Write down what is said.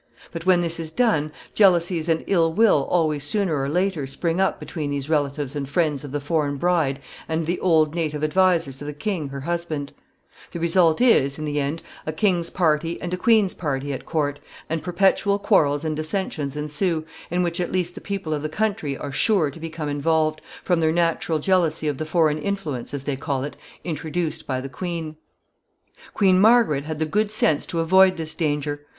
But when this is done, jealousies and ill will always sooner or later spring up between these relatives and friends of the foreign bride and the old native advisers of the king her husband. The result is, in the end, a king's party and a queen's party at court, and perpetual quarrels and dissensions ensue, in which at least the people of the country are sure to become involved, from their natural jealousy of the foreign influence, as they call it, introduced by the queen. [Sidenote: Margaret's friends and counselors.] [Sidenote: Her good sense.] [Sidenote: Example for all young brides.] Queen Margaret had the good sense to avoid this danger.